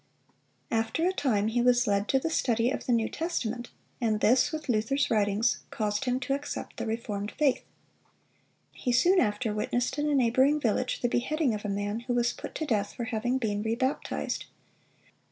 After a time he was led to the study of the New Testament, and this, with Luther's writings, caused him to accept the reformed faith. He soon after witnessed in a neighboring village the beheading of a man who was put to death for having been rebaptized.